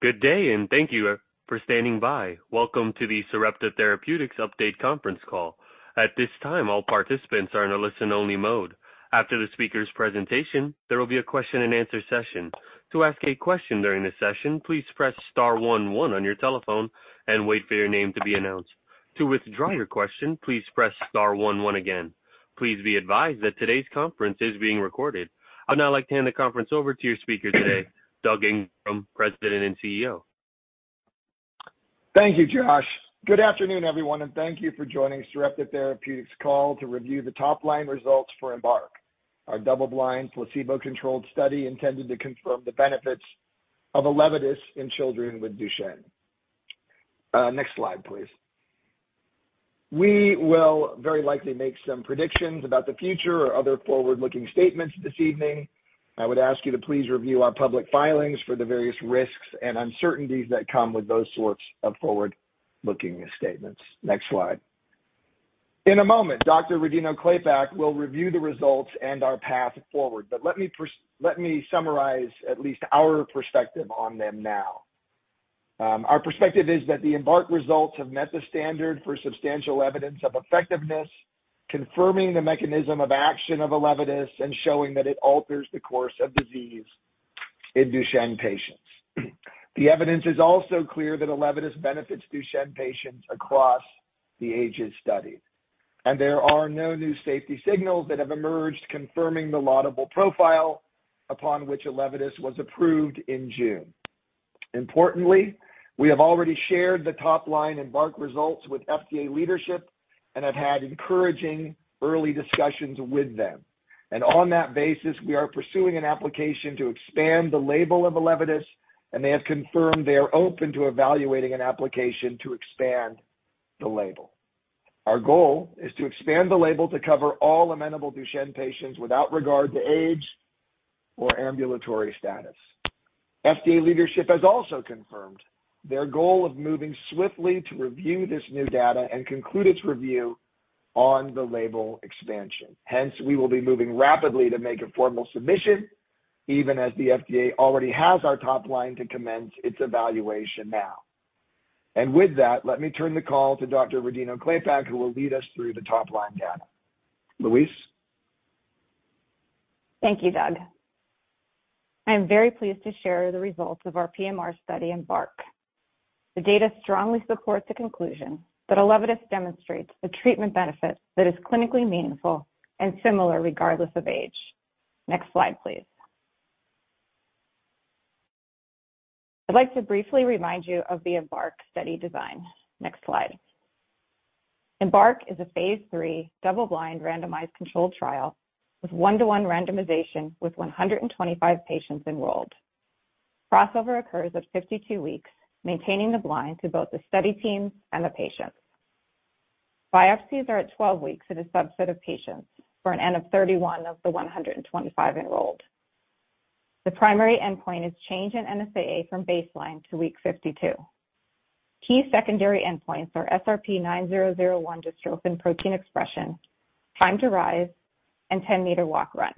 Good day, and thank you for standing by. Welcome to the Sarepta Therapeutics Update Conference Call. At this time, all participants are in a listen-only mode. After the speaker's presentation, there will be a question-and-answer session. To ask a question during the session, please press star one one on your telephone and wait for your name to be announced. To withdraw your question, please press star one one again. Please be advised that today's conference is being recorded. I'd now like to hand the conference over to your speaker today, Doug Ingram, President and CEO. Thank you, Josh. Good afternoon, everyone, and thank you for joining Sarepta Therapeutics call to review the top-line results for EMBARK, our double-blind, placebo-controlled study intended to confirm the benefits of ELEVIDYS in children with Duchenne. Next slide, please. We will very likely make some predictions about the future or other forward-looking statements this evening. I would ask you to please review our public filings for the various risks and uncertainties that come with those sorts of forward-looking statements. Next slide. In a moment, Dr. Rodino-Klapac will review the results and our path forward, but let me summarize at least our perspective on them now. Our perspective is that the EMBARK results have met the standard for substantial evidence of effectiveness, confirming the mechanism of action of ELEVIDYS and showing that it alters the course of disease in Duchenne patients. The evidence is also clear that ELEVIDYS benefits Duchenne patients across the ages studied, and there are no new safety signals that have emerged confirming the laudable profile upon which ELEVIDYS was approved in June. Importantly, we have already shared the top-line EMBARK results with FDA leadership and have had encouraging early discussions with them. On that basis, we are pursuing an application to expand the label of ELEVIDYS, and they have confirmed they are open to evaluating an application to expand the label. Our goal is to expand the label to cover all amenable Duchenne patients without regard to age or ambulatory status. FDA leadership has also confirmed their goal of moving swiftly to review this new data and conclude its review on the label expansion. Hence, we will be moving rapidly to make a formal submission, even as the FDA already has our top line to commence its evaluation now. With that, let me turn the call to Dr. Rodino-Klapac, who will lead us through the top-line data. Louise? Thank you, Doug. I am very pleased to share the results of our PMR study, EMBARK. The data strongly supports the conclusion that ELEVIDYS demonstrates a treatment benefit that is clinically meaningful and similar regardless of age. Next slide, please. I'd like to briefly remind you of the EMBARK study design. Next slide. EMBARK is a phase III double-blind, randomized controlled trial with one-to-one randomization with 125 patients enrolled. Crossover occurs at 52 weeks, maintaining the blind to both the study team and the patients. Biopsies are at 12 weeks in a subset of patients for an N of 31 of the 125 enrolled. The primary endpoint is change in NSAA from baseline to week 52. Key secondary endpoints are SRP-9001 dystrophin protein expression, time to rise, and 10-meter walk-run.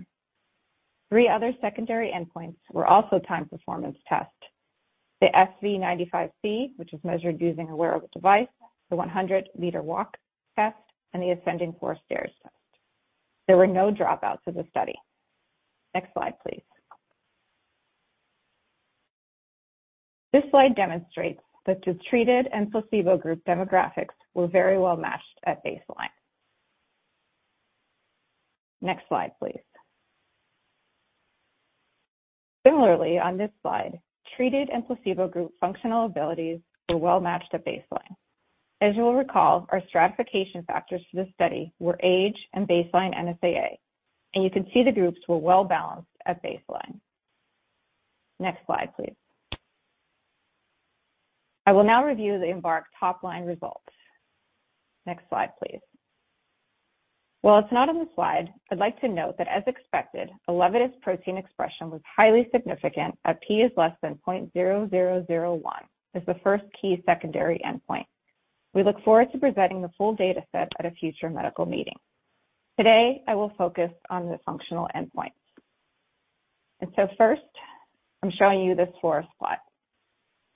Three other secondary endpoints were also timed performance test. The SV95c, which was measured using a wearable device, the 100-meter walk test, and the ascending 4-stairs test. There were no dropouts of the study. Next slide, please. This slide demonstrates that the treated and placebo group demographics were very well matched at baseline. Next slide, please. Similarly, on this slide, treated and placebo group functional abilities were well matched at baseline. As you will recall, our stratification factors for this study were age and baseline NSAA, and you can see the groups were well balanced at baseline. Next slide, please. I will now review the EMBARK top-line results. Next slide, please. While it's not on the slide, I'd like to note that, as expected, ELEVIDYS protein expression was highly significant at P is less than 0.0001, as the first key secondary endpoint. We look forward to presenting the full data set at a future medical meeting. Today, I will focus on the functional endpoints. So first, I'm showing you this forest plot,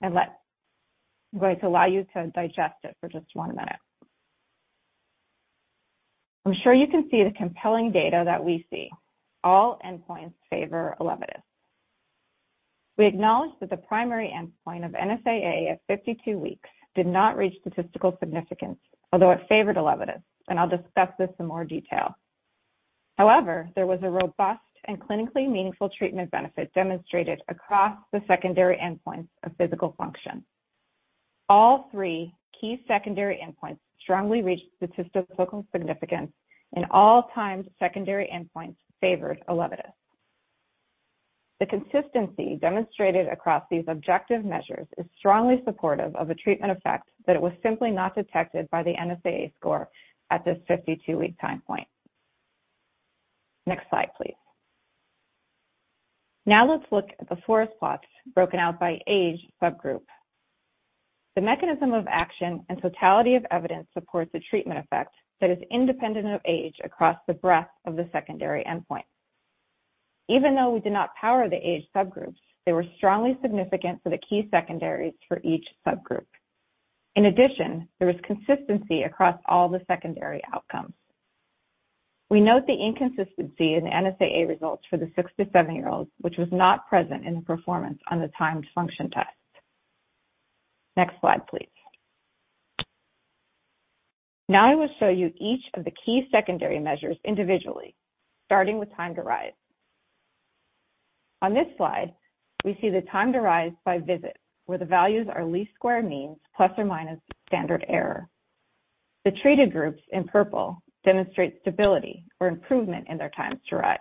and I'm going to allow you to digest it for just one minute. I'm sure you can see the compelling data that we see. All endpoints favor ELEVIDYS. We acknowledge that the primary endpoint of NSAA at 52 weeks did not reach statistical significance, although it favored ELEVIDYS, and I'll discuss this in more detail. However, there was a robust and clinically meaningful treatment benefit demonstrated across the secondary endpoints of physical function. All three key secondary endpoints strongly reached statistical significance, and all other secondary endpoints favored ELEVIDYS. The consistency demonstrated across these objective measures is strongly supportive of a treatment effect that it was simply not detected by the NSAA score at this 52 week time point. Next slide, please. Now let's look at the forest plots broken out by age subgroup. The mechanism of action and totality of evidence supports a treatment effect that is independent of age across the breadth of the secondary endpoint. Even though we did not power the age subgroups, they were strongly significant for the key secondaries for each subgroup. In addition, there was consistency across all the secondary outcomes. We note the inconsistency in the NSAA results for the six to seven-year-olds, which was not present in the performance on the timed function test. Next slide, please. Now I will show you each of the key secondary measures individually, starting with time to rise. On this slide, we see the time to rise by visit, where the values are least square means plus or minus standard error. The treated groups in purple demonstrate stability or improvement in their times to rise.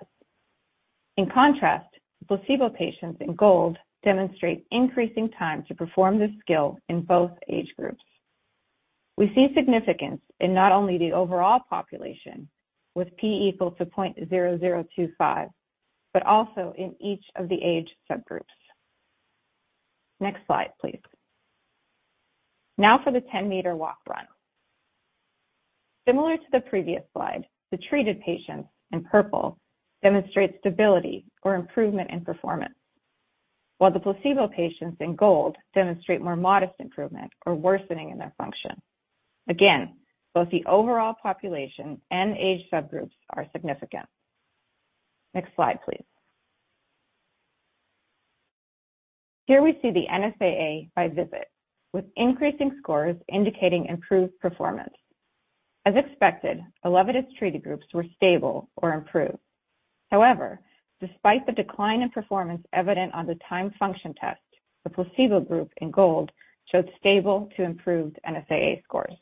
In contrast, the placebo patients in gold demonstrate increasing time to perform this skill in both age groups. We see significance in not only the overall population, with P equal to 0.0025, but also in each of the age subgroups. Next slide, please. Now for the 10-meter walk-run. Similar to the previous slide, the treated patients in purple demonstrate stability or improvement in performance, while the placebo patients in gold demonstrate more modest improvement or worsening in their function. Again, both the overall population and age subgroups are significant. Next slide, please. Here we see the NSAA by visit, with increasing scores indicating improved performance. As expected, ELEVIDYS treated groups were stable or improved. However, despite the decline in performance evident on the timed function test, the placebo group in gold showed stable to improved NSAA scores.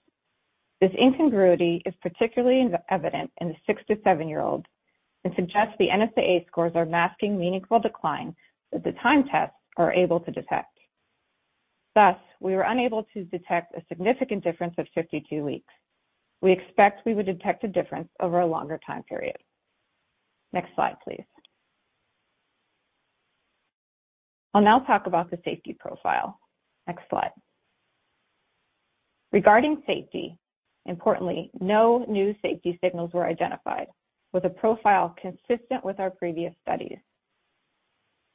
This incongruity is particularly evident in the six to seven-year-olds and suggests the NSAA scores are masking meaningful decline that the time tests are able to detect. Thus, we were unable to detect a significant difference at 52 weeks. We expect we would detect a difference over a longer time period. Next slide, please. I'll now talk about the safety profile. Next slide. Regarding safety, importantly, no new safety signals were identified, with a profile consistent with our previous studies.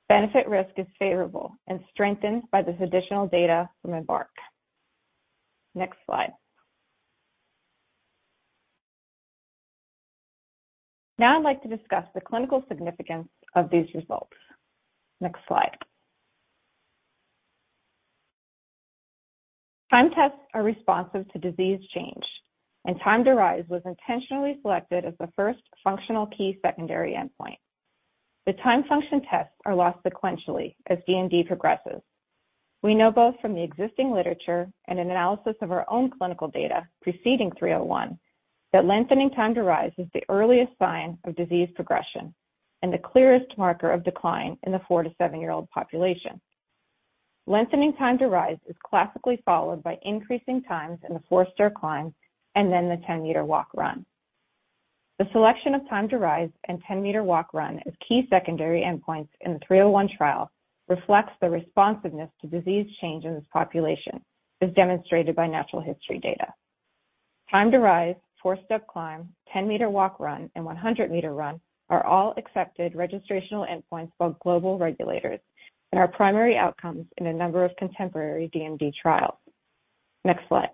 Benefit risk is favorable and strengthened by this additional data from EMBARK. Next slide. Now I'd like to discuss the clinical significance of these results. Next slide. Timed tests are responsive to disease change, and time to rise was intentionally selected as the first functional key secondary endpoint. The timed function tests are lost sequentially as DMD progresses. We know both from the existing literature and an analysis of our own clinical data preceding 301, that lengthening time to rise is the earliest sign of disease progression and the clearest marker of decline in the four to seven-year-old population. Lengthening time to rise is classically followed by increasing times in the 4-stair climb and then the 10-meter walk-run. The selection of time to rise and 10-meter walk-run as key secondary endpoints in the 301 trial reflects the responsiveness to disease change in this population, as demonstrated by natural history data. Time to rise, `4-stair climb, 10-meter walk-run, and 100-meter run are all accepted registrational endpoints by global regulators and are primary outcomes in a number of contemporary DMD trials. Next slide.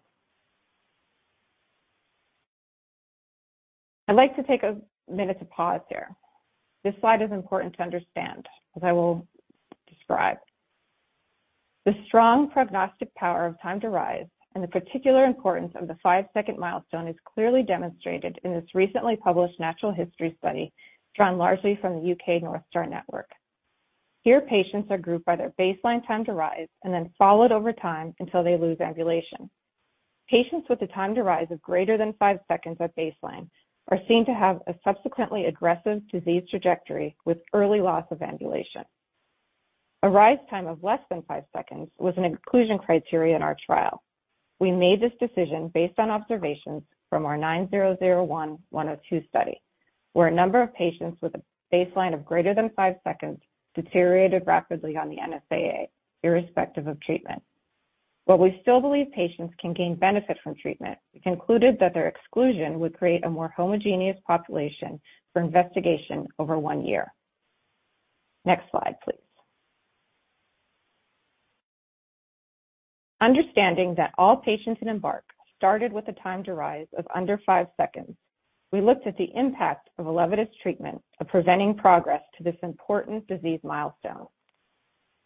I'd like to take a minute to pause here. This slide is important to understand, as I will describe. The strong prognostic power of time to rise and the particular importance of the five-second milestone is clearly demonstrated in this recently published natural history study, drawn largely from the U.K. North Star Network. Here, patients are grouped by their baseline time to rise and then followed over time until they lose ambulation. Patients with a time to rise of greater than five seconds at baseline are seen to have a subsequently aggressive disease trajectory with early loss of ambulation. A rise time of less than five seconds was an inclusion criteria in our trial. We made this decision based on observations from our 9001-102 study, where a number of patients with a baseline of greater than five seconds deteriorated rapidly on the NSAA, irrespective of treatment. While we still believe patients can gain benefit from treatment, we concluded that their exclusion would create a more homogeneous population for investigation over one year. Next slide, please. Understanding that all patients in EMBARK started with a time to rise of under five seconds, we looked at the impact of ELEVIDYS treatment of preventing progress to this important disease milestone.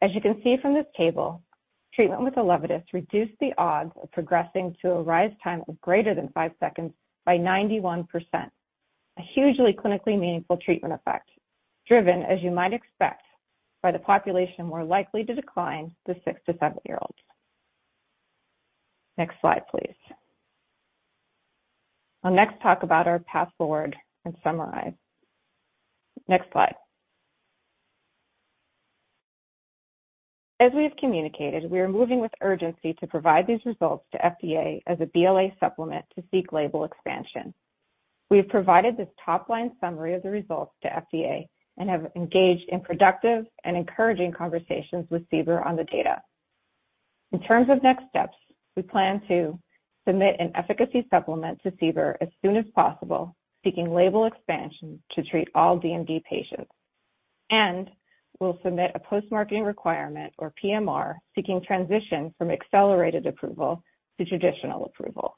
As you can see from this table, treatment with ELEVIDYS reduced the odds of progressing to a rise time of greater than five seconds by 91%, a hugely clinically meaningful treatment effect, driven, as you might expect, by the population more likely to decline, the six to seven-year-olds. Next slide, please. I'll next talk about our path forward and summarize. Next slide. As we have communicated, we are moving with urgency to provide these results to FDA as a BLA supplement to seek label expansion. We have provided this top-line summary of the results to FDA and have engaged in productive and encouraging conversations with CBER on the data. In terms of next steps, we plan to submit an efficacy supplement to CBER as soon as possible, seeking label expansion to treat all DMD patients, and we'll submit a post-marketing requirement, or PMR, seeking transition from accelerated approval to traditional approval.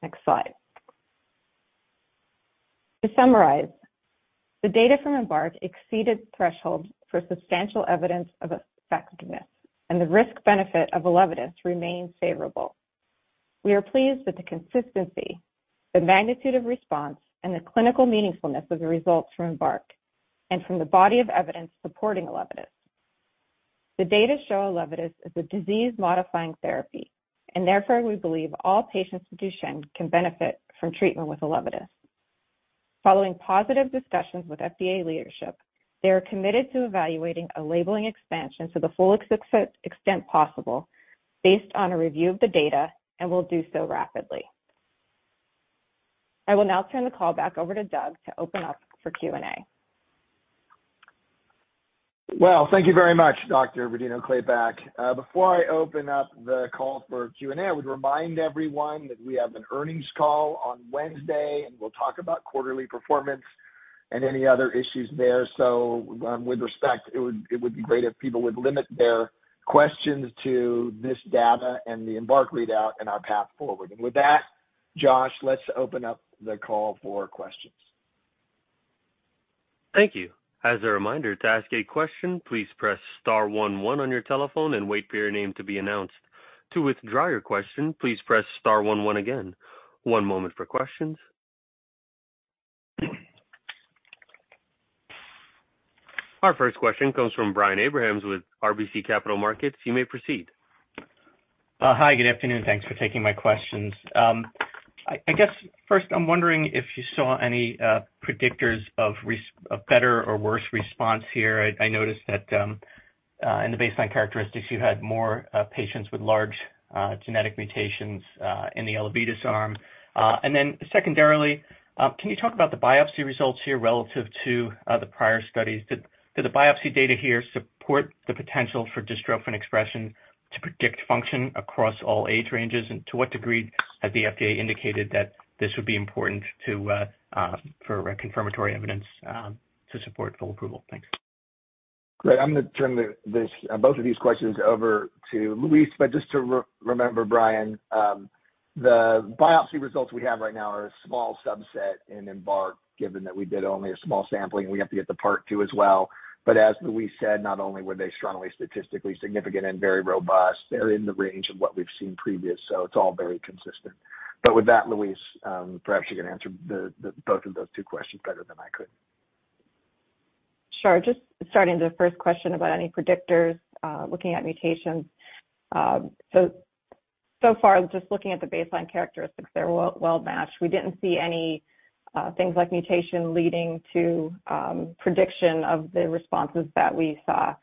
Next slide. To summarize, the data from EMBARK exceeded thresholds for substantial evidence of effectiveness, and the risk-benefit of ELEVIDYS remains favorable. We are pleased with the consistency, the magnitude of response, and the clinical meaningfulness of the results from EMBARK and from the body of evidence supporting ELEVIDYS. The data show ELEVIDYS is a disease-modifying therapy, and therefore, we believe all patients with Duchenne can benefit from treatment with ELEVIDYS. Following positive discussions with FDA leadership, they are committed to evaluating a labeling expansion to the full extent possible based on a review of the data and will do so rapidly. I will now turn the call back over to Doug to open up for Q&A. Well, thank you very much, Dr. Rodino-Klapac. Before I open up the call for Q&A, I would remind everyone that we have an earnings call on Wednesday, and we'll talk about quarterly performance and any other issues there. So with respect, it would be great if people would limit their questions to this data and the EMBARK readout and our path forward. And with that, Josh, let's open up the call for questions. Thank you. As a reminder, to ask a question, please press star one one on your telephone and wait for your name to be announced. To withdraw your question, please press star one one again. One moment for questions. Our first question comes from Brian Abrahams with RBC Capital Markets. You may proceed. Hi, good afternoon. Thanks for taking my questions. I guess first, I'm wondering if you saw any predictors of better or worse response here. I noticed that in the baseline characteristics, you had more patients with large genetic mutations in the ELEVIDYS arm. And then secondarily, can you talk about the biopsy results here relative to the prior studies? Did the biopsy data here support the potential for dystrophin expression to predict function across all age ranges? And to what degree has the FDA indicated that this would be important for confirmatory evidence to support full approval? Thanks. Great. I'm going to turn both of these questions over to Louise, but just to remind, Brian, the biopsy results we have right now are a small subset in EMBARK, given that we did only a small sampling, we have to get the Part Two as well. But as Louise said, not only were they strongly statistically significant and very robust, they're in the range of what we've seen previously, so it's all very consistent. But with that, Louise, perhaps you can answer both of those two questions better than I could. Sure. Just starting with the first question about any predictors, looking at mutations. So far, just looking at the baseline characteristics, they're well matched. We didn't see any things like mutation leading to prediction of the responses that we saw.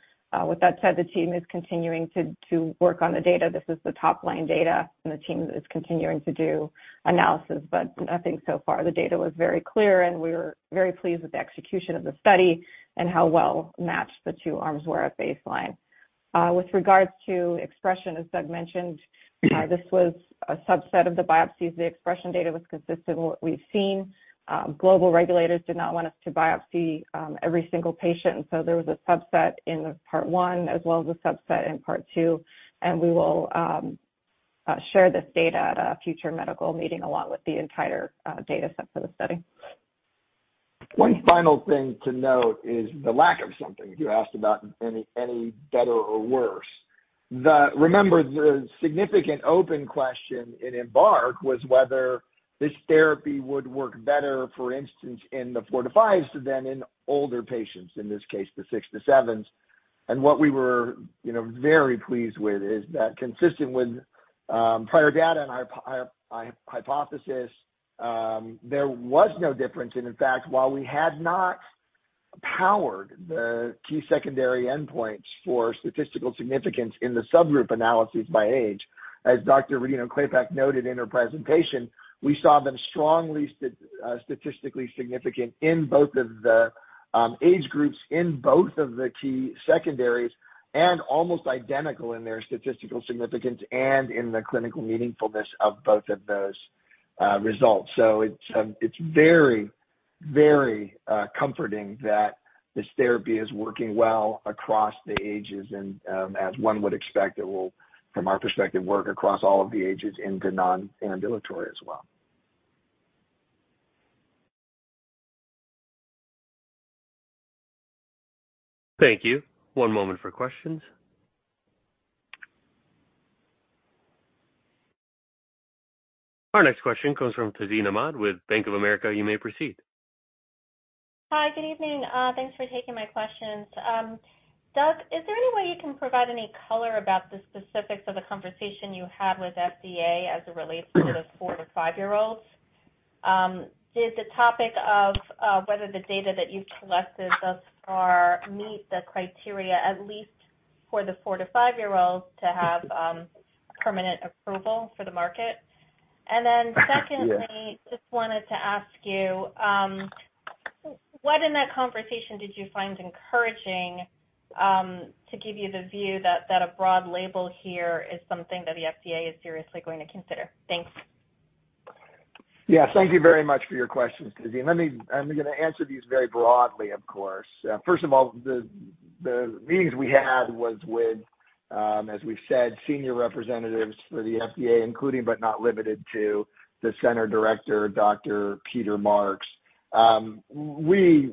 With that said, the team is continuing to work on the data. This is the top-line data, and the team is continuing to do analysis, but nothing so far. The data was very clear, and we were very pleased with the execution of the study and how well matched the two arms were at baseline. With regards to expression, as Doug mentioned, this was a subset of the biopsies. The expression data was consistent with what we've seen. Global regulators did not want us to biopsy every single patient, so there was a subset in the Part One as well as a subset in Part Two, and we will share this data at a future medical meeting, along with the entire data set for the study. One final thing to note is the lack of something. You asked about any, any better or worse. Remember, the significant open question in EMBARK was whether this therapy would work better, for instance, in the four to fives than in older patients, in this case, the six to sevens. And what we were, you know, very pleased with is that consistent with prior data and our hypothesis, there was no difference. And in fact, while we had not powered the key secondary endpoints for statistical significance in the subgroup analyses by age, as Dr. Rodino-Klapac noted in her presentation, we saw them strongly statistically significant in both of the age groups, in both of the key secondaries, and almost identical in their statistical significance and in the clinical meaningfulness of both of those results. So it's very, very comforting that this therapy is working well across the ages, and as one would expect, it will, from our perspective, work across all of the ages into non-ambulatory as well. Thank you. One moment for questions. Our next question comes from Tazeen Ahmad with Bank of America. You may proceed. Hi, good evening. Thanks for taking my questions. Doug, is there any way you can provide any color about the specifics of the conversation you had with FDA as it relates to the four to five-year-olds? Did the topic of whether the data that you've collected thus far meet the criteria, at least for the four to five-year-olds, to have, permanent approval for the market? And then secondly, just wanted to ask you, what in that conversation did you find encouraging, to give you the view that, that a broad label here is something that the FDA is seriously going to consider? Thanks. Yes, thank you very much for your questions, Tazeen. Let me—I'm gonna answer these very broadly, of course. First of all, the meetings we had were with, as we've said, senior representatives for the FDA, including but not limited to the Center Director, Dr. Peter Marks. We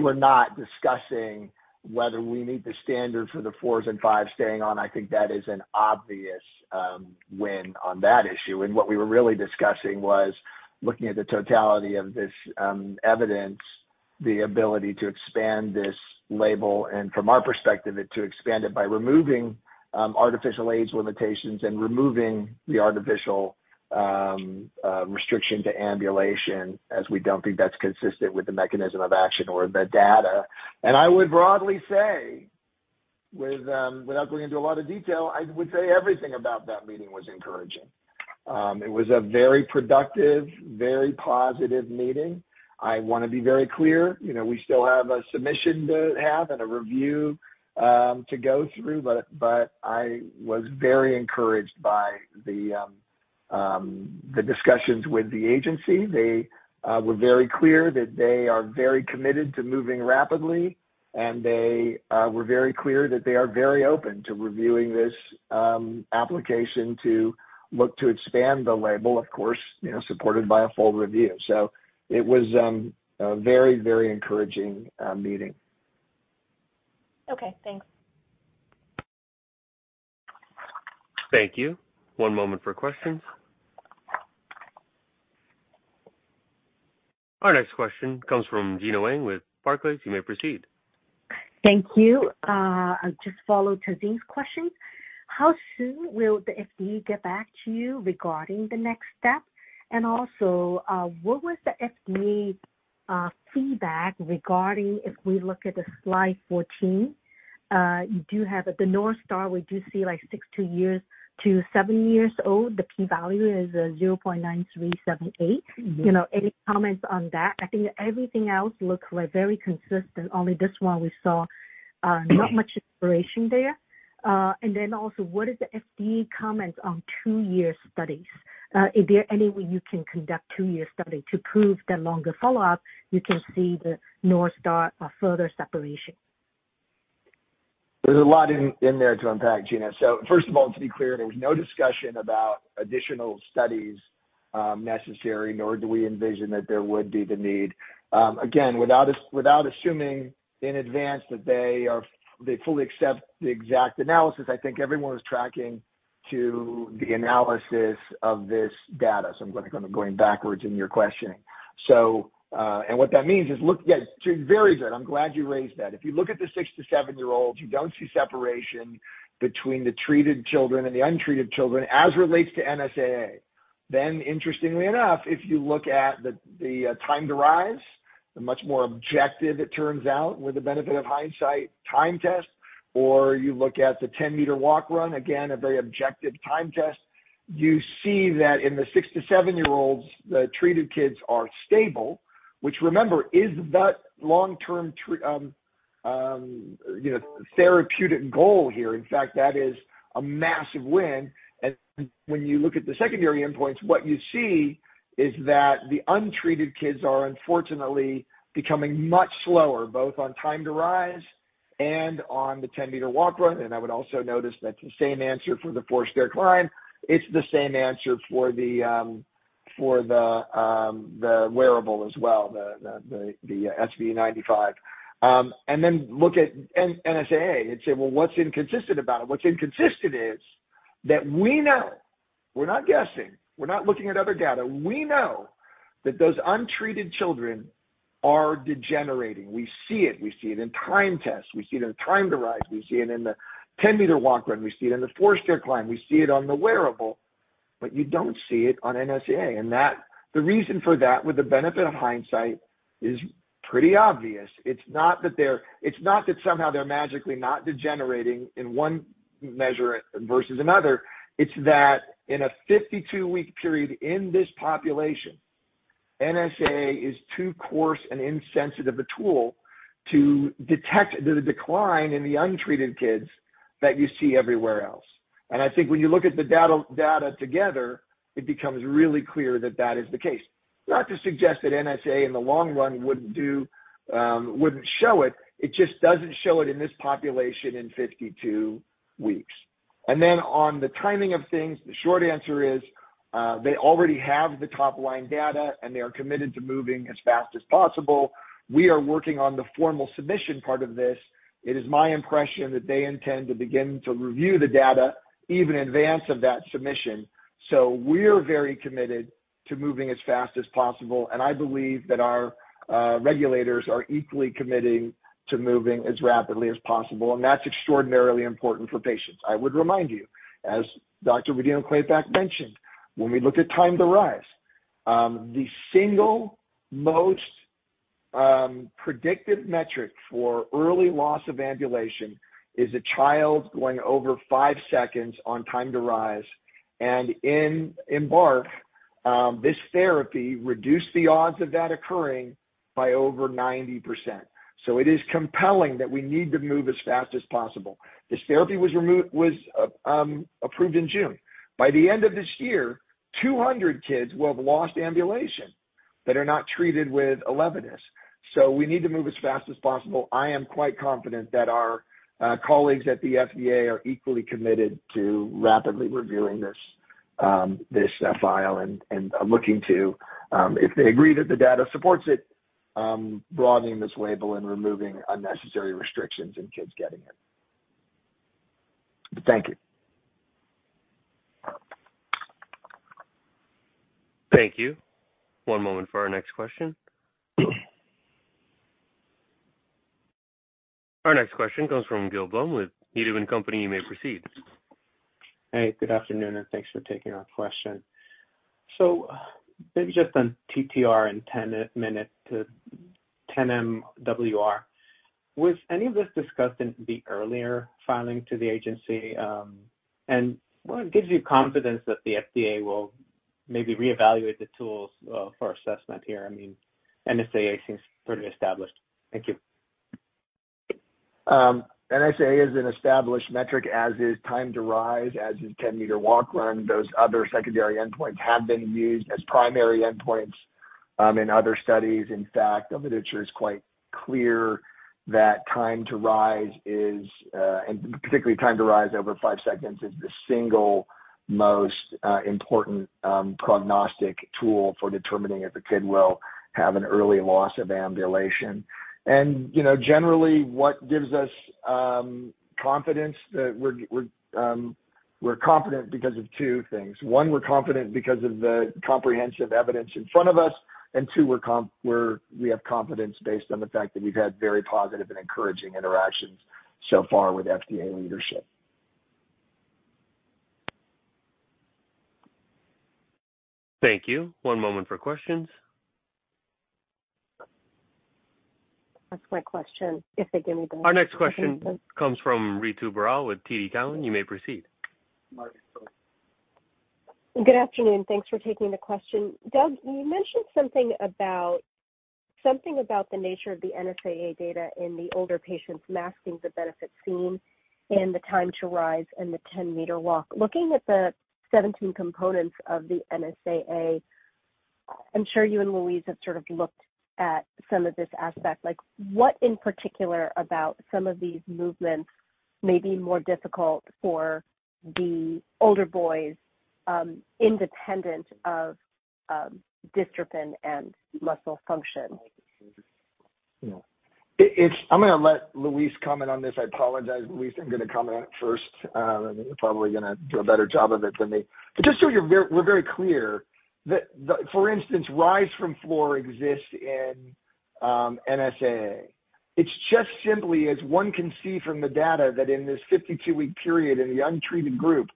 were not discussing whether we meet the standard for the fours and fives staying on. I think that is an obvious win on that issue. What we were really discussing was looking at the totality of this evidence, the ability to expand this label, and from our perspective, to expand it by removing artificial age limitations and removing the artificial restriction to ambulation, as we don't think that's consistent with the mechanism of action or the data. I would broadly say, without going into a lot of detail, I would say everything about that meeting was encouraging. It was a very productive, very positive meeting. I wanna be very clear, you know, we still have a submission to have and a review to go through, but I was very encouraged by the discussions with the agency. They were very clear that they are very committed to moving rapidly, and they were very clear that they are very open to reviewing this application to look to expand the label, of course, you know, supported by a full review. It was a very, very encouraging meeting. Okay, thanks. Thank you. One moment for questions. Our next question comes from Gena Wang with Barclays. You may proceed. Thank you. I'll just follow Tazeen's question. How soon will the FDA get back to you regarding the next step? And also, what was the FDA feedback regarding if we look at the slide 14? You do have the North Star, we do see like six to seven-year-olds, the P value is 0.9378. You know, any comments on that? I think everything else looks like very consistent. Only this one we saw, not much inspiration there. And then also, what is the FDA comment on two-year studies? Is there any way you can conduct two-year study to prove the longer follow-up, you can see the North Star, a further separation? There's a lot in there to unpack, Gena. First of all, to be clear, there was no discussion about additional studies necessary, nor do we envision that there would be the need. Again, without assuming in advance that they fully accept the exact analysis, I think everyone was tracking to the analysis of this data. I'm gonna kind of going backwards in your questioning. What that means is look... Yes, very good. I'm glad you raised that. If you look at the six to seven-year-olds, you don't see separation between the treated children and the untreated children as relates to NSAA. Then interestingly enough, if you look at the time to rise, the much more objective, it turns out, with the benefit of hindsight, time test, or you look at the 10-meter walk-run, again, a very objective time test. You see that in the six to seven-year-olds, the treated kids are stable, which remember, is that long-term therapeutic goal here. In fact, that is a massive win. And when you look at the secondary endpoints, what you see is that the untreated kids are unfortunately becoming much slower, both on time to rise and on the 10-meter walk-run. And I would also notice that's the same answer for the 4-stair climb. It's the same answer for the wearable as well, the SV95. And then look at the NSAA and say, "Well, what's inconsistent about it?" What's inconsistent is that we know, we're not guessing, we're not looking at other data, we know that those untreated children are degenerating. We see it. We see it in time tests, we see it in time to rise, we see it in the 10-meter walk-run, we see it in the 4-stair climb, we see it on the wearable, but you don't see it on NSAA. And that. The reason for that, with the benefit of hindsight, is pretty obvious. It's not that they're... It's not that somehow they're magically not degenerating in one measure versus another. It's that in a 52 week period in this population, NSAA is too coarse and insensitive a tool to detect the decline in the untreated kids that you see everywhere else. And I think when you look at the data, data together, it becomes really clear that that is the case. Not to suggest that NSAA in the long run wouldn't do, wouldn't show it, it just doesn't show it in this population in 52 weeks. And then on the timing of things, the short answer is, they already have the top-line data, and they are committed to moving as fast as possible. We are working on the formal submission part of this. It is my impression that they intend to begin to review the data, even in advance of that submission. So we're very committed to moving as fast as possible, and I believe that our regulators are equally committing to moving as rapidly as possible, and that's extraordinarily important for patients. I would remind you, as Dr. Rodino-Klapac mentioned, when we looked at time to rise, the single most predicted metric for early loss of ambulation is a child going over five seconds on time to rise, and in EMBARK, this therapy reduced the odds of that occurring by over 90%. So it is compelling that we need to move as fast as possible. This therapy was removed, was approved in June. By the end of this year, 200 kids will have lost ambulation that are not treated with ELEVIDYS. So we need to move as fast as possible. I am quite confident that our colleagues at the FDA are equally committed to rapidly reviewing this file, and I'm looking to, if they agree that the data supports it, broadening this label and removing unnecessary restrictions in kids getting it. Thank you. Thank you. One moment for our next question. Our next question comes from Gil Blum with Needham & Company. You may proceed. Hey, good afternoon, and thanks for taking our question. So maybe just on TTR and 10-meter to 10MWR. Was any of this discussed in the earlier filing to the agency? And what gives you confidence that the FDA will maybe reevaluate the tools for assessment here? I mean, NSAA seems pretty established. Thank you. NSAA is an established metric, as is time to rise, as is 10-meter walk-run. Those other secondary endpoints have been used as primary endpoints in other studies. In fact, the literature is quite clear that time to rise, and particularly time to rise over five seconds, is the single most important prognostic tool for determining if a kid will have an early loss of ambulation. And, you know, generally, what gives us confidence that we're confident because of two things. One, we're confident because of the comprehensive evidence in front of us, and two, we have confidence based on the fact that we've had very positive and encouraging interactions so far with FDA leadership. Thank you. One moment for questions. That's my question. If they give me the- Our next question comes from Ritu Baral with TD Cowen. You may proceed. Good afternoon. Thanks for taking the question. Doug, you mentioned something about, something about the nature of the NSAA data in the older patients masking the benefit seen in the time to rise and the 10-meter walk. Looking at the 17 components of the NSAA, I'm sure you and Louise have sort of looked at some of this aspect, like, what in particular about some of these movements may be more difficult for the older boys, independent of, dystrophin and muscle function? You know, I'm gonna let Louise comment on this. I apologize, Louise. I'm gonna comment on it first. You're probably gonna do a better job of it than me. But just so you're very, we're very clear, that the, for instance, rise from floor exists in NSAA. It's just simply, as one can see from the data, that in this 52 week period in the untreated group,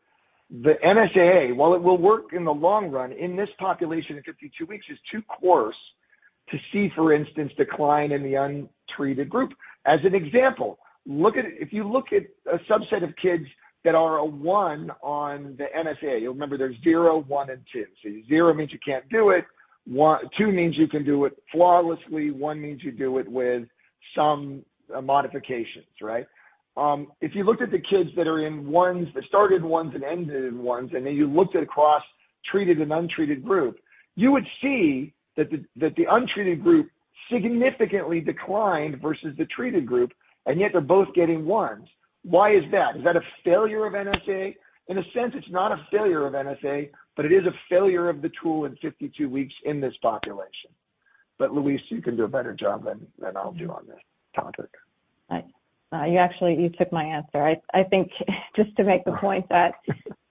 the NSAA, while it will work in the long run, in this population in 52 weeks, is too coarse to see, for instance, decline in the untreated group. As an example, look at it, if you look at a subset of kids that are a one on the NSAA, you'll remember there's zero, one, and two. So zero means you can't do it. One. Two means you can do it flawlessly. One means you do it with some modifications, right? If you looked at the kids that are in ones, that started ones and ended in ones, and then you looked at across treated and untreated group, you would see that the, that the untreated group significantly declined versus the treated group, and yet they're both getting ones. Why is that? Is that a failure of NSAA? In a sense, it's not a failure of NSAA, but it is a failure of the tool in 52 weeks in this population. But Louise, you can do a better job than, than I'll do on this topic. You actually took my answer. I think just to make the point that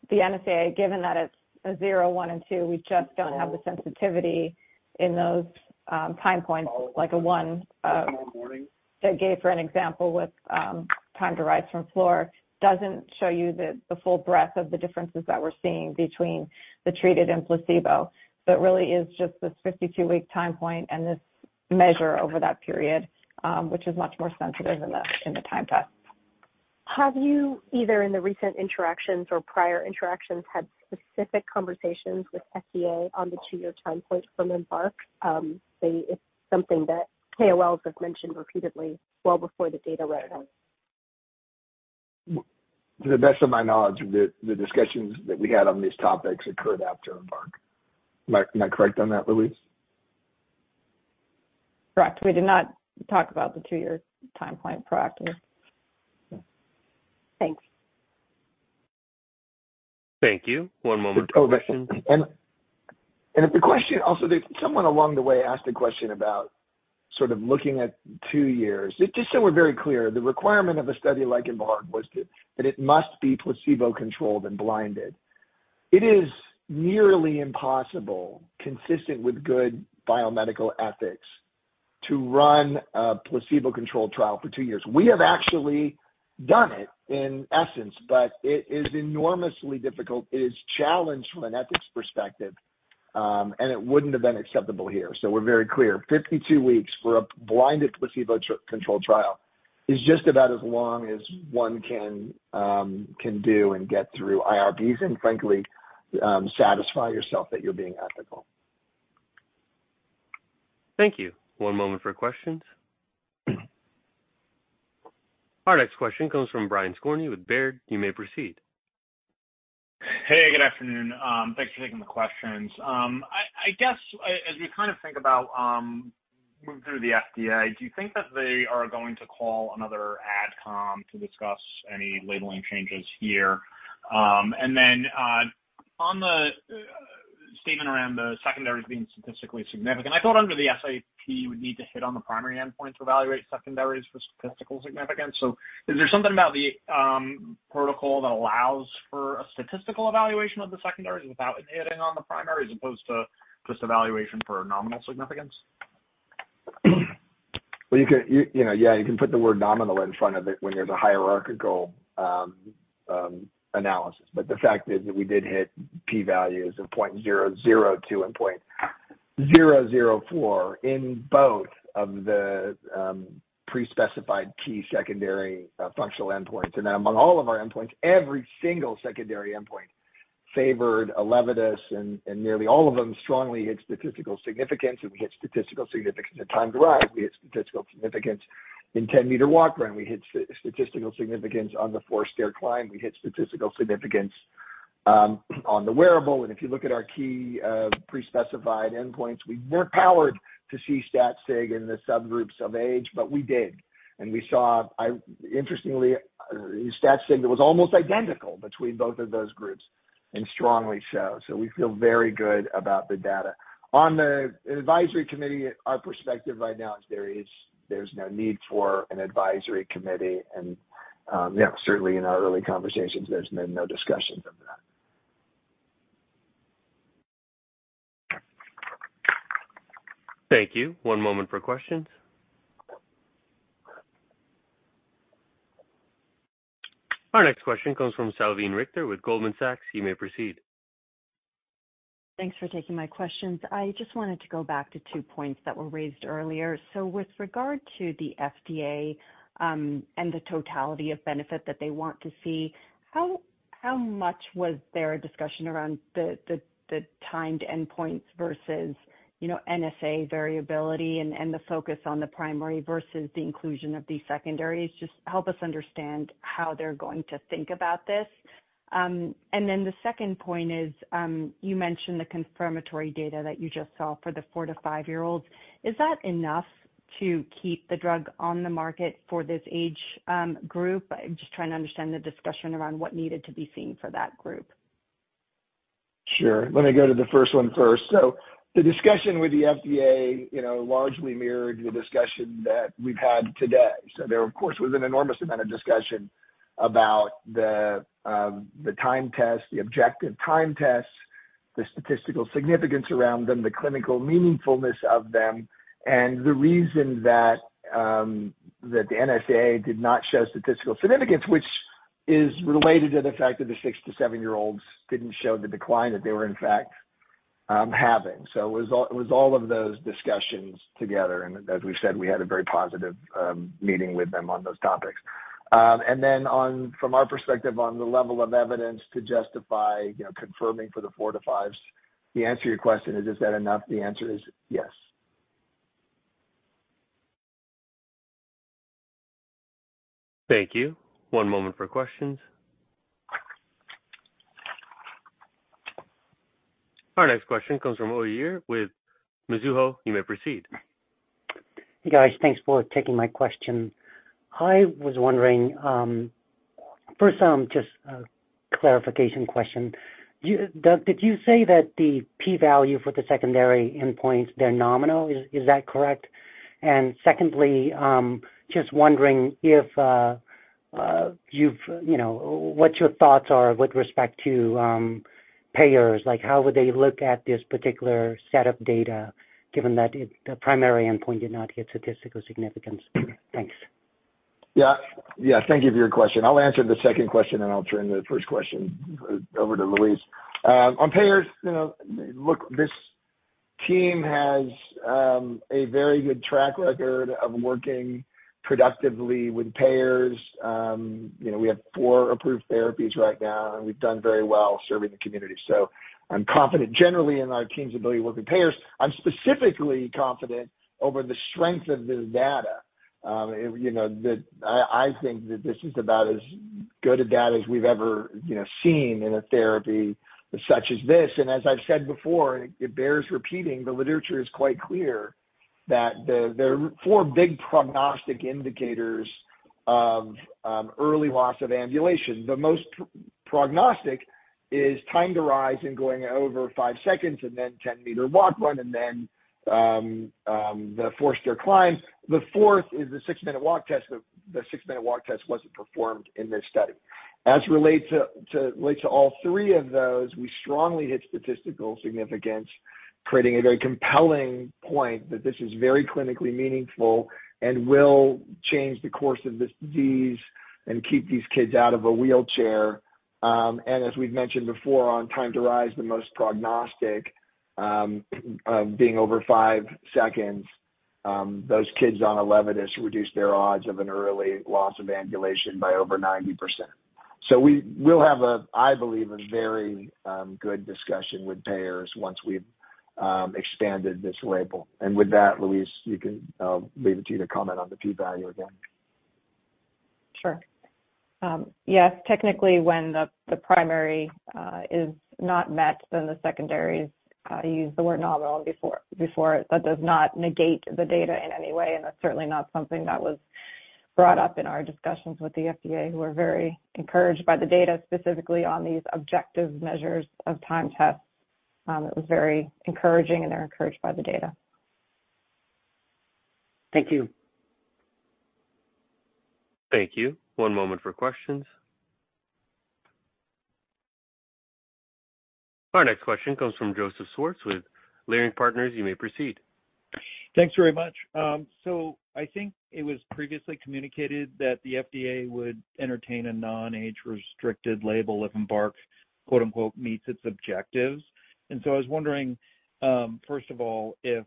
the NSAA, given that it's a zero, one, and two, we just don't have the sensitivity in those time points, like a one that gave, for example, with time to rise from floor, doesn't show you the full breadth of the differences that we're seeing between the treated and placebo. So it really is just this 52 week time point and this measure over that period, which is much more sensitive than the time test. Have you, either in the recent interactions or prior interactions, had specific conversations with FDA on the two-year time point from EMBARK? Say it's something that KOLs have mentioned repeatedly well before the data was read out. To the best of my knowledge, the discussions that we had on these topics occurred after EMBARK. Am I correct on that, Louise? Correct. We did not talk about the two-year time point proactively. Thanks. Thank you. One moment. Oh, and if the question also, someone along the way asked a question about sort of looking at two years. Just so we're very clear, the requirement of a study like EMBARK was that it must be placebo-controlled and blinded. It is nearly impossible, consistent with good biomedical ethics, to run a placebo-controlled trial for two years. We have actually done it in essence, but it is enormously difficult. It is challenged from an ethics perspective, and it wouldn't have been acceptable here. So we're very clear. 52 weeks for a blinded placebo controlled trial is just about as long as one can do and get through IRBs and frankly, satisfy yourself that you're being ethical. Thank you. One moment for questions. Our next question comes from Brian Skorney with Baird. You may proceed. Hey, good afternoon. Thanks for taking the questions. I guess, as you kind of think about moving through the FDA, do you think that they are going to call another ad com to discuss any labeling changes here? And then, on the statement around the secondaries being statistically significant, I thought under the SAP, you would need to hit on the primary endpoint to evaluate secondaries for statistical significance. So is there something about the protocol that allows for a statistical evaluation of the secondaries without hitting on the primary, as opposed to just evaluation for nominal significance? Well, you could, you know, yeah, you can put the word nominal in front of it when there's a hierarchical analysis. The fact is that we did hit P values of 0.002 and 0.004 in both of the pre-specified key secondary functional endpoints. Among all of our endpoints, every single secondary endpoint favored ELEVIDYS, and nearly all of them strongly hit statistical significance. We hit statistical significance at time to rise. We hit statistical significance in 10-meter walk-run. We hit statistical significance on the 4-stair climb. We hit statistical significance on the wearable. If you look at our key pre-specified endpoints, we weren't powered to see stat sig in the subgroups of age, but we did. We saw, I interestingly, stat sig that was almost identical between both of those groups, and strongly so. So we feel very good about the data. On the advisory committee, our perspective right now is there is, there's no need for an advisory committee, and, yeah, certainly in our early conversations, there's been no discussions of that. Thank you. One moment for questions. Our next question comes from Salveen Richter with Goldman Sachs. You may proceed. Thanks for taking my questions. I just wanted to go back to two points that were raised earlier. So with regard to the FDA, and the totality of benefit that they want to see, how, how much was there a discussion around the timed endpoints versus, you know, NSAA variability and the focus on the primary versus the inclusion of these secondaries? Just help us understand how they're going to think about this. And then the second point is, you mentioned the confirmatory data that you just saw for the four to five-year-olds. Is that enough to keep the drug on the market for this age group? I'm just trying to understand the discussion around what needed to be seen for that group. Sure. Let me go to the first one first. So the discussion with the FDA, you know, largely mirrored the discussion that we've had today. So there, of course, was an enormous amount of discussion about the time test, the objective time tests, the statistical significance around them, the clinical meaningfulness of them, and the reason that the NSAA did not show statistical significance, which is related to the fact that the six to seven-year-olds didn't show the decline that they were, in fact, having. So it was all, it was all of those discussions together, and as we said, we had a very positive meeting with them on those topics. And then on. From our perspective, on the level of evidence to justify, you know, confirming for the four to five-year-olds, to answer your question is, is that enough? The answer is yes. Thank you. One moment for questions. Our next question comes from Uy Ear with Mizuho. You may proceed. Hey, guys. Thanks for taking my question. I was wondering, first, just a clarification question. Do you—Doug, did you say that the P value for the secondary endpoints, they're nominal? Is that correct? And secondly, just wondering if, you've, you know, what your thoughts are with respect to, payers. Like, how would they look at this particular set of data, given that it, the primary endpoint did not hit statistical significance? Thanks. Yeah. Yes, thank you for your question. I'll answer the second question, and I'll turn the first question over to Louise. On payers, you know, look, this team has a very good track record of working productively with payers. You know, we have four approved therapies right now, and we've done very well serving the community. So I'm confident generally in our team's ability to work with payers. I'm specifically confident over the strength of the data. You know, the I, I think that this is about as good a data as we've ever, you know, seen in a therapy such as this. And as I've said before, it bears repeating, the literature is quite clear that there are four big prognostic indicators of early loss of ambulation. The most prognostic is time to rise and going over five seconds, and then 10-meter walk-run, and then, the 4-stair climb. The fourth is the six-minute walk test, but the six-minute walk test wasn't performed in this study. As relates to all three of those, we strongly hit statistical significance, creating a very compelling point that this is very clinically meaningful and will change the course of this disease and keep these kids out of a wheelchair. And as we've mentioned before, on time to rise, the most prognostic, of being over five seconds, those kids on ELEVIDYS reduced their odds of an early loss of ambulation by over 90%. So we will have a, I believe, a very good discussion with payers once we've expanded this label. With that, Louise, you can. I'll leave it to you to comment on the P value again. Sure. Yes, technically, when the primary is not met, then the secondaries, I used the word nominal before. That does not negate the data in any way, and that's certainly not something that was brought up in our discussions with the FDA, who are very encouraged by the data, specifically on these objective measures of time tests. It was very encouraging, and they're encouraged by the data. Thank you. Thank you. One moment for questions. Our next question comes from Joseph Schwartz with Leerink Partners. You may proceed. Thanks very much. So I think it was previously communicated that the FDA would entertain a non-age-restricted label if EMBARK, quote, unquote, "meets its objectives." And so I was wondering, first of all, if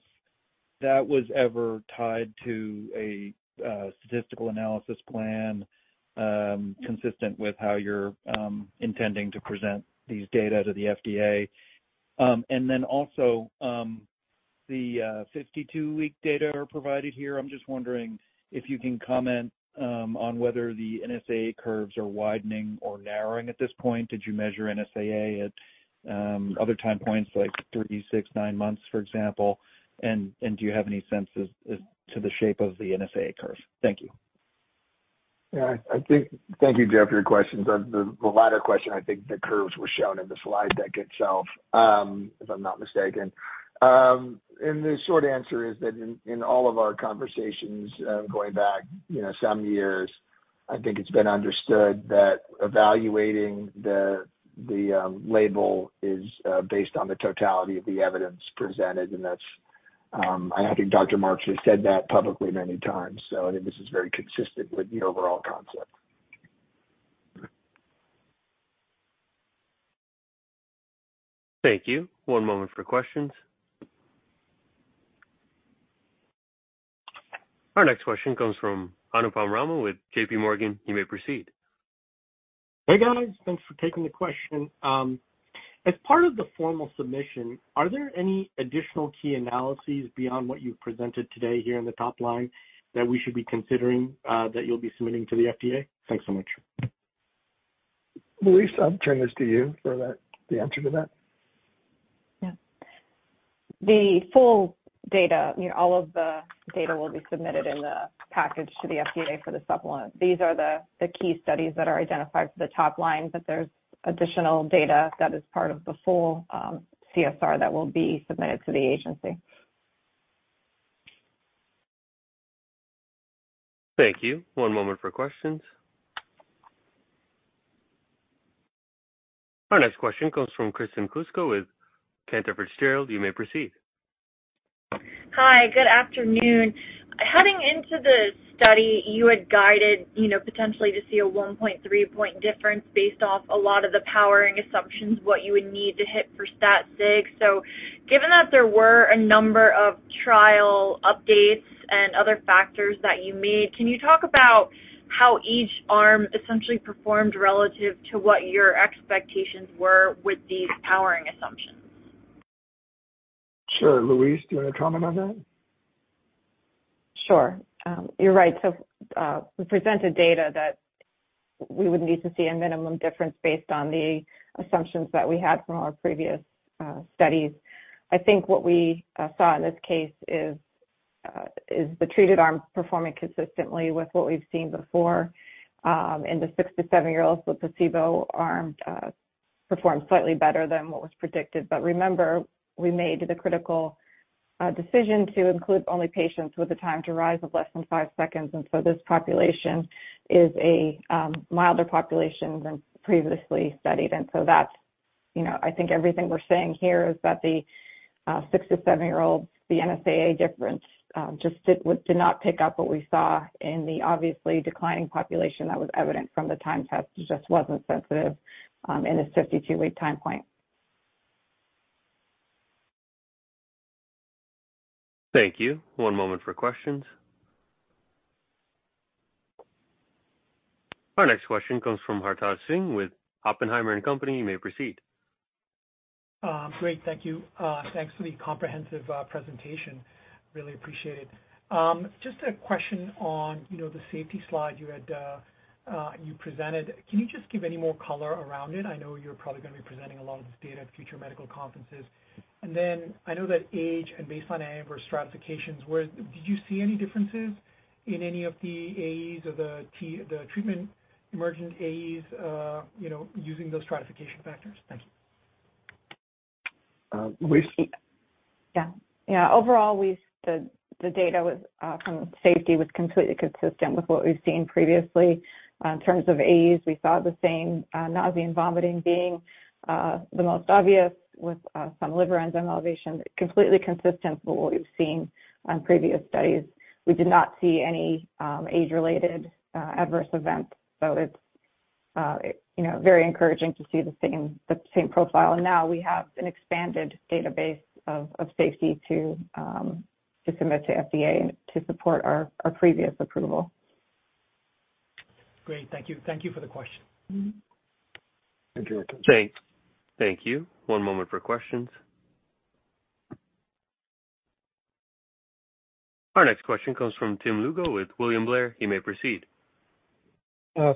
that was ever tied to a statistical analysis plan, consistent with how you're intending to present these data to the FDA. And then also, the 52 week data are provided here. I'm just wondering if you can comment on whether the NSAA curves are widening or narrowing at this point. Did you measure NSAA at other time points, like 3, 6, 9 months, for example? And do you have any sense as to the shape of the NSAA curve? Thank you. Yeah, I think. Thank you, Joseph, for your questions. The latter question, I think the curves were shown in the slide deck itself, if I'm not mistaken. The short answer is that in all of our conversations, going back, you know, some years, I think it's been understood that evaluating the label is based on the totality of the evidence presented, and that's, I think Dr. Marks has said that publicly many times, so I think this is very consistent with the overall concept. Thank you. One moment for questions. Our next question comes from Anupam Rama with JP Morgan. You may proceed. Hey, guys. Thanks for taking the question. As part of the formal submission, are there any additional key analyses beyond what you've presented today here in the top line, that we should be considering, that you'll be submitting to the FDA? Thanks so much. Louise, I'll turn this to you for that, the answer to that. Yeah. The full data, you know, all of the data will be submitted in the package to the FDA for the supplement. These are the key studies that are identified for the top line, but there's additional data that is part of the full CSR that will be submitted to the agency. Thank you. One moment for questions. Our next question comes from Kristen Kluska with Cantor Fitzgerald. You may proceed. Hi, good afternoon. Heading into the study, you had guided, you know, potentially to see a 1.3-point difference based off a lot of the powering assumptions, what you would need to hit for stat sig. So given that there were a number of trial updates and other factors that you made, can you talk about how each arm essentially performed relative to what your expectations were with these powering assumptions? Sure. Louise, do you want to comment on that? Sure. You're right. So, we presented data that we would need to see a minimum difference based on the assumptions that we had from our previous studies. I think what we saw in this case is the treated arm performing consistently with what we've seen before, and the six to seven-year-olds with placebo arm performed slightly better than what was predicted. But remember, we made the critical decision to include only patients with a time to rise of less than 5 seconds, and so this population is a milder population than previously studied. And so that's, you know, I think everything we're saying here is that the six to seven-year-olds, the NSAA difference just did not pick up what we saw in the obviously declining population that was evident from the time test. It just wasn't sensitive, in this 52 week time point. Thank you. One moment for questions. Our next question comes from Hartaj Singh with Oppenheimer & Company. You may proceed. Great. Thank you. Thanks for the comprehensive presentation. Really appreciate it. Just a question on, you know, the safety slide you had, you presented. Can you just give any more color around it? I know you're probably going to be presenting a lot of this data at future medical conferences. And then I know that age and baseline AAV or stratifications, did you see any differences in any of the AEs or the treatment emergent AEs, you know, using those stratification factors? Thank you. Yeah. Yeah, overall, the data from safety was completely consistent with what we've seen previously. In terms of age, we saw the same nausea and vomiting being the most obvious with some liver enzyme elevations, completely consistent with what we've seen on previous studies. We did not see any age-related adverse events, so it's, you know, very encouraging to see the same, the same profile. And now we have an expanded database of safety to submit to FDA to support our previous approval. Great. Thank you. Thank you for the question. Thank you. Thank you. One moment for questions. Our next question comes from Tim Lugo with William Blair. He may proceed.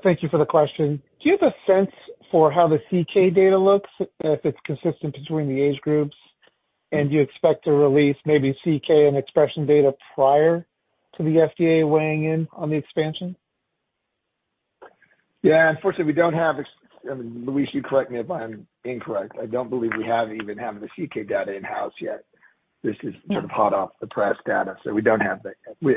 Thank you for the question. Do you have a sense for how the CK data looks, if it's consistent between the age groups, and do you expect to release maybe CK and expression data prior to the FDA weighing in on the expansion? Yeah, unfortunately, we don't have. I mean, Louise, correct me if I'm incorrect. I don't believe we even have the CK data in-house yet. This is sort of hot-off-the-press data, so we don't have that yet.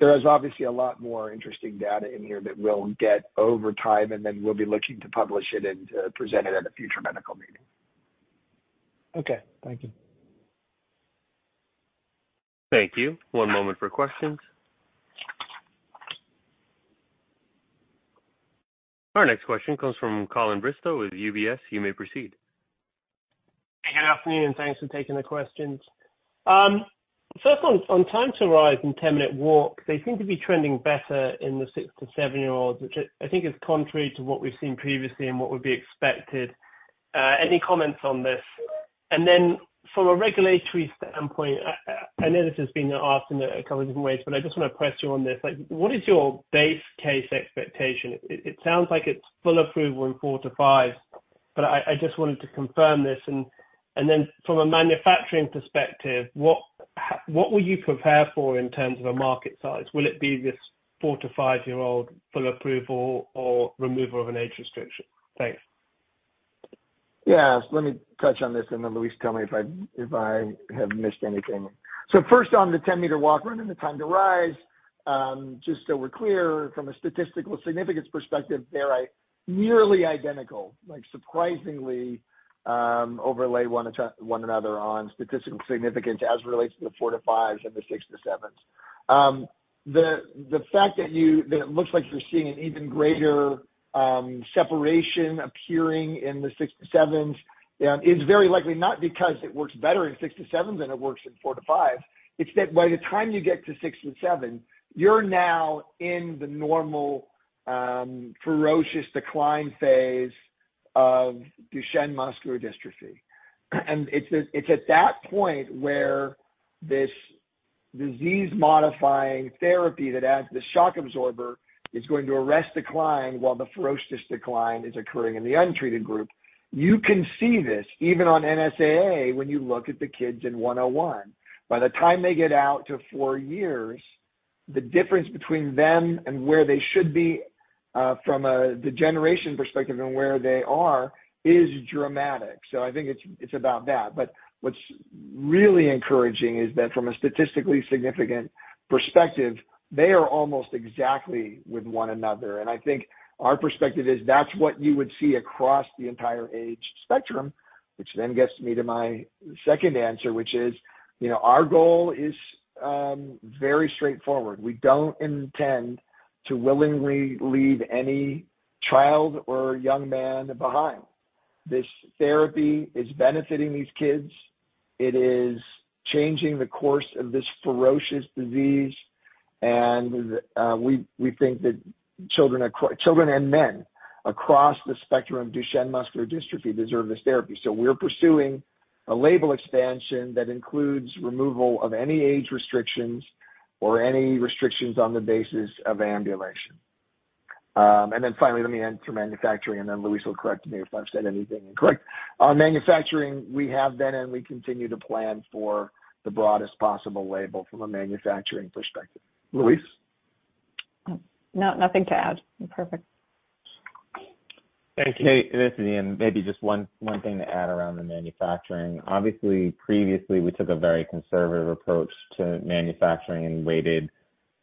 There is obviously a lot more interesting data in here that we'll get over time, and then we'll be looking to publish it and present it at a future medical meeting. Okay, thank you. Thank you. One moment for questions. Our next question comes from Colin Bristow with UBS, y`ou may proceed. Good afternoon, and thanks for taking the questions. First on time to rise and 10-meter walk, they seem to be trending better in the six to seven-year-olds, which I think is contrary to what we've seen previously and what would be expected. Any comments on this? And then from a regulatory standpoint, I know this has been asked in a couple different ways, but I just wanna press you on this. Like, what is your base case expectation? It sounds like it's full approval in four to five-year-olds, but I just wanted to confirm this. And then from a manufacturing perspective, what will you prepare for in terms of a market size? Will it be this four to five-year-old full approval or removal of an age restriction? Thanks. Yeah, let me touch on this, and then, Louise, tell me if I have missed anything. So first, on the 10-meter walk-run and the time to rise, just so we're clear, from a statistical significance perspective, they are nearly identical, like, surprisingly, overlay one another on statistical significance as it relates to the four to fives and the six to sevens. The fact that it looks like you're seeing an even greater separation appearing in the six to sevens is very likely not because it works better in six to sevens than it works in six to sevens. It's that by the time you get to six and seven, you're now in the normal ferocious decline phase of Duchenne Muscular Dystrophy. And it's at, it's at that point where this disease-modifying therapy that adds the shock absorber, is going to arrest decline while the ferocious decline is occurring in the untreated group. You can see this even on NSAA when you look at the kids in 101. By the time they get out to four years, the difference between them and where they should be, from a degeneration perspective and where they are, is dramatic. So I think it's, it's about that. But what's really encouraging is that from a statistically significant perspective, they are almost exactly with one another. And I think our perspective is that's what you would see across the entire age spectrum, which then gets me to my second answer, which is, you know, our goal is, very straightforward. We don't intend to willingly leave any child or young man behind. This therapy is benefiting these kids. It is changing the course of this ferocious disease, and we think that children and men across the spectrum of Duchenne Muscular Dystrophy deserve this therapy. We're pursuing a label expansion that includes removal of any age restrictions or any restrictions on the basis of ambulation. Finally, let me end to manufacturing, and then Louise will correct me if I've said anything incorrect. On manufacturing, we have been and we continue to plan for the broadest possible label from a manufacturing perspective. Louise? No, nothing to add. Perfect. Thank you. Hey, this is Ian. Maybe just one thing to add around the manufacturing. Obviously, previously, we took a very conservative approach to manufacturing and waited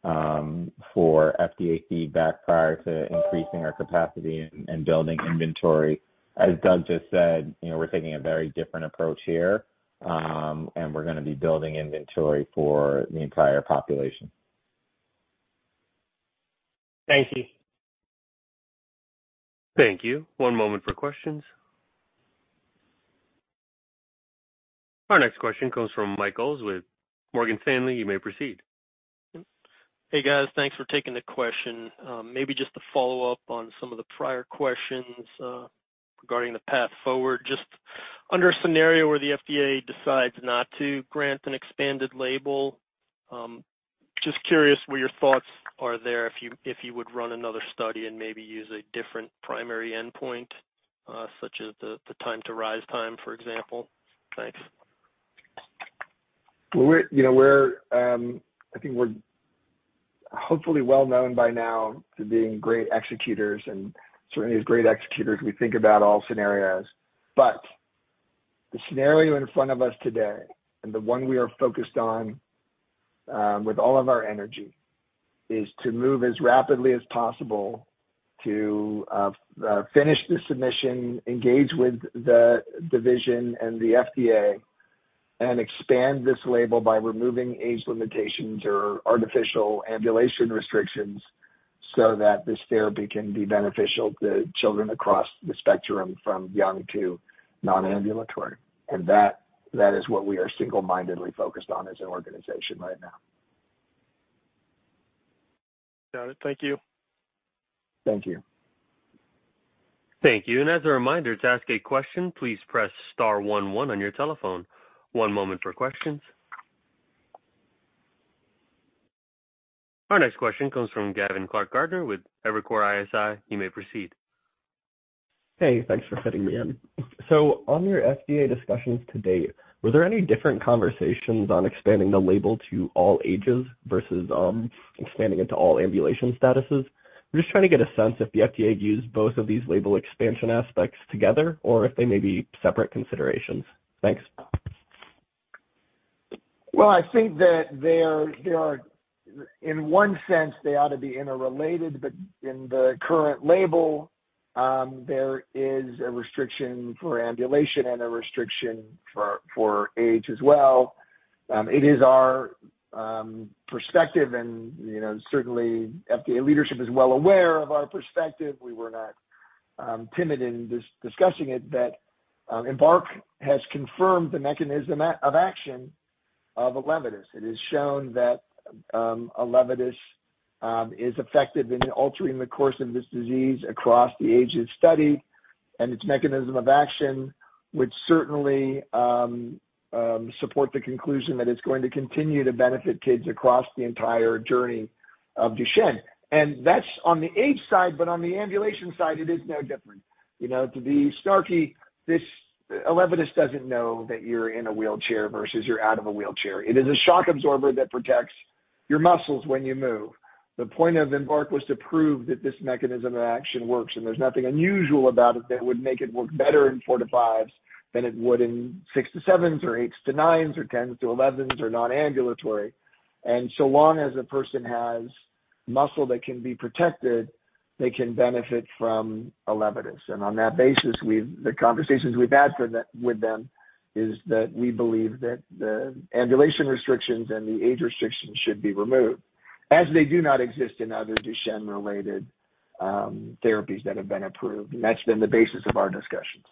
for FDA feedback prior to increasing our capacity and building inventory. As Doug just said, you know, we're taking a very different approach here, and we're gonna be building inventory for the entire population. Thank you. Thank you. One moment for questions. Our next question comes from Michael Ulz with Morgan Stanley. You may proceed. Hey, guys. Thanks for taking the question. Maybe just to follow up on some of the prior questions, regarding the path forward. Just under a scenario where the FDA decides not to grant an expanded label, just curious what your thoughts are there, if you would run another study and maybe use a different primary endpoint, such as the time to rise, for example? Thanks. Well, we're, you know, I think we're hopefully well known by now for being great executors, and certainly as great executors, we think about all scenarios. But the scenario in front of us today, and the one we are focused on with all of our energy, is to move as rapidly as possible to finish the submission, engage with the division and the FDA, and expand this label by removing age limitations or artificial ambulation restrictions so that this therapy can be beneficial to children across the spectrum, from young to non-ambulatory. And that is what we are single-mindedly focused on as an organization right now. Got it. Thank you. Thank you. Thank you. As a reminder, to ask a question, please press star one one on your telephone. One moment for questions. Our next question comes from Gavin Clark-Gartner with Evercore ISI. You may proceed. Hey, thanks for fitting me in. So on your FDA discussions to date, were there any different conversations on expanding the label to all ages versus expanding it to all ambulation statuses? I'm just trying to get a sense if the FDA views both of these label expansion aspects together or if they may be separate considerations. Thanks. Well, I think that they are. In one sense, they ought to be interrelated, but in the current label, there is a restriction for ambulation and a restriction for age as well. It is our perspective, and, you know, certainly FDA leadership is well aware of our perspective. We were not timid in discussing it, that EMBARK has confirmed the mechanism of action of ELEVIDYS. It has shown that ELEVIDYS is effective in altering the course of this disease across the ages study, and its mechanism of action would certainly support the conclusion that it's going to continue to benefit kids across the entire journey of Duchenne. And that's on the age side, but on the ambulation side, it is no different. You know, to be snarky, this, ELEVIDYS doesn't know that you're in a wheelchair versus you're out of a wheelchair. It is a shock absorber that protects your muscles when you move. The point of EMBARK was to prove that this mechanism of action works, and there's nothing unusual about it that would make it work better in four to fives than it would in six to sevens or eights to nines or 10s to 11s or non-ambulatory. And so long as a person has muscle that can be protected, they can benefit from ELEVIDYS. And on that basis, we've. The conversations we've had for them, with them, is that we believe that the ambulation restrictions and the age restrictions should be removed, as they do not exist in other Duchenne-related therapies that have been approved. And that's been the basis of our discussions.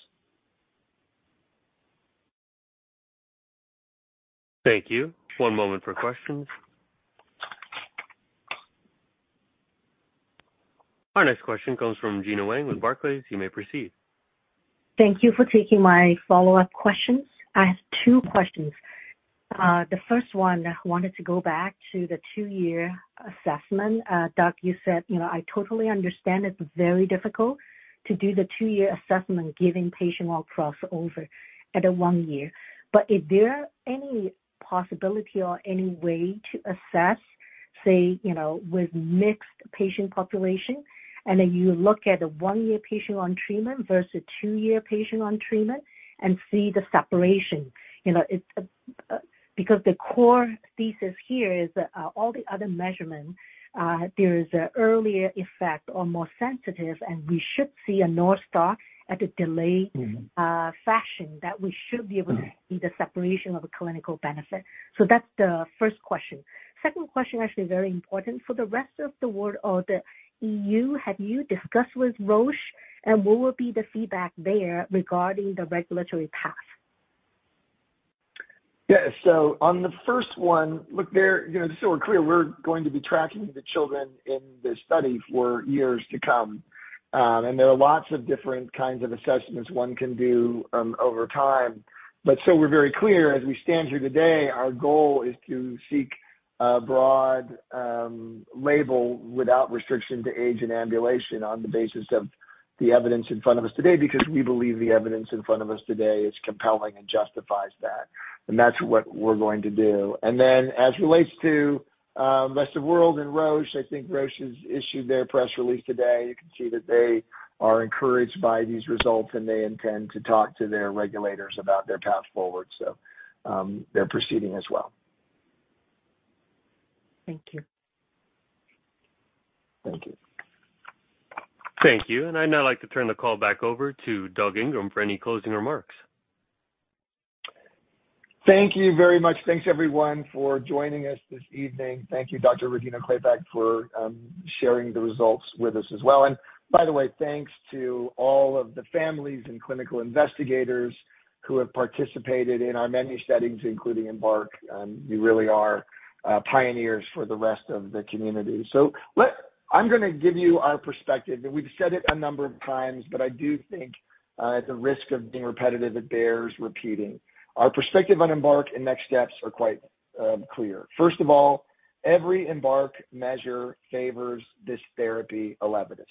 Thank you. One moment for questions. Our next question comes from Gena Wang with Barclays. You may proceed. Thank you for taking my follow-up questions. I have two questions. The first one, I wanted to go back to the two-year assessment. Doug, you said, you know, I totally understand it's very difficult to do the two-year assessment, given patient will cross over at one year. Is there any possibility or any way to assess, say, you know, with mixed patient population, and then you look at a one-year patient on treatment versus two-year patient on treatment and see the separation? You know, it's, because the core thesis here is that, you know, all the other measurements, there is an earlier effect or more sensitive, and we should see a North Star at a delayed fashion, that we should be able to see the separation of a clinical benefit. So that's the first question. Second question, actually very important. For the rest of the world or the EU, have you discussed with Roche, and what will be the feedback there regarding the regulatory path? Yeah, so on the first one, look, there, you know, just so we're clear, we're going to be tracking the children in this study for years to come. And there are lots of different kinds of assessments one can do over time. But so we're very clear, as we stand here today, our goal is to seek a broad label without restriction to age and ambulation on the basis of the evidence in front of us today, because we believe the evidence in front of us today is compelling and justifies that, and that's what we're going to do. And then, as relates to rest of world and Roche, I think Roche has issued their press release today. You can see that they are encouraged by these results, and they intend to talk to their regulators about their path forward. So, they're proceeding as well. Thank you. Thank you. Thank you. I'd now like to turn the call back over to Doug Ingram for any closing remarks. Thank you very much. Thanks, everyone, for joining us this evening. Thank you, Dr. Regina Klebeck, for sharing the results with us as well. And by the way, thanks to all of the families and clinical investigators who have participated in our many studies, including EMBARK. You really are pioneers for the rest of the community. So I'm gonna give you our perspective, and we've said it a number of times, but I do think, at the risk of being repetitive, it bears repeating. Our perspective on EMBARK and next steps are quite clear. First of all, every EMBARK measure favors this therapy, ELEVIDYS.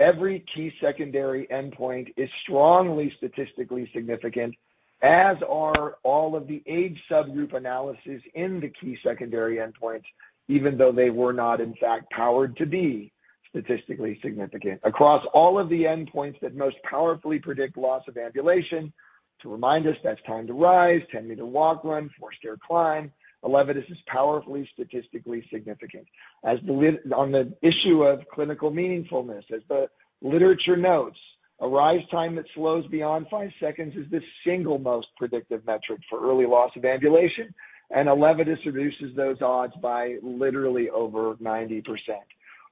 Every key secondary endpoint is strongly statistically significant, as are all of the age subgroup analysis in the key secondary endpoints, even though they were not, in fact, powered to be statistically significant. Across all of the endpoints that most powerfully predict loss of ambulation, to remind us, that's time to rise, 10-meter walk-run, 4-stair climb, ELEVIDYS is powerfully statistically significant. As the literature notes, a rise time that slows beyond five seconds is the single most predictive metric for early loss of ambulation, and ELEVIDYS reduces those odds by literally over 90%.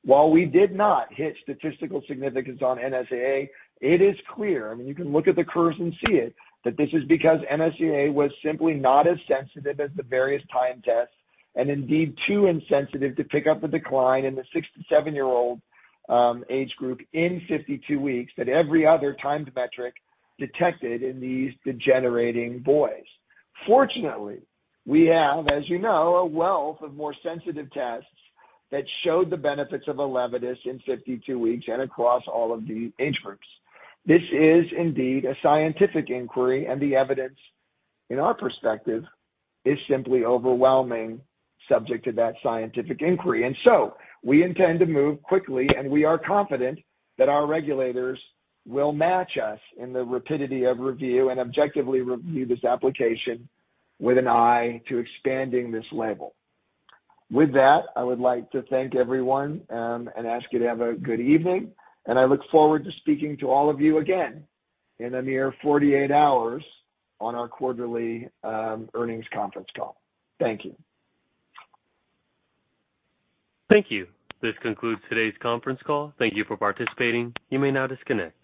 While we did not hit statistical significance on NSAA, it is clear, I mean, you can look at the curves and see it, that this is because NSAA was simply not as sensitive as the various time tests, and indeed, too insensitive to pick up the decline in the six to seven-year-old age group in 52 weeks that every other timed metric detected in these degenerating boys. Fortunately, we have, as you know, a wealth of more sensitive tests that showed the benefits of ELEVIDYS in 52 weeks and across all of the age groups. This is indeed a scientific inquiry, and the evidence, in our perspective, is simply overwhelming, subject to that scientific inquiry. And so we intend to move quickly, and we are confident that our regulators will match us in the rapidity of review and objectively review this application with an eye to expanding this label. With that, I would like to thank everyone, and ask you to have a good evening, and I look forward to speaking to all of you again in a mere 48 hours on our quarterly, earnings conference call. Thank you. Thank you. This concludes today's conference call. Thank you for participating. You may now disconnect.